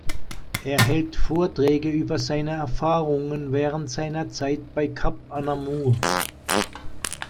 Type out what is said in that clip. Er hält Vorträge über seine Erfahrungen während seiner Zeit bei Cap Anamur.